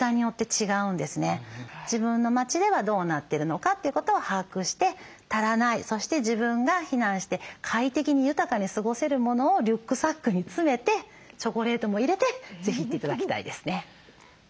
自分の町ではどうなってるのかということを把握して足らないそして自分が避難して快適に豊かに過ごせるものをリュックサックに詰めてチョコレートも入れて是非行って頂きたいですね。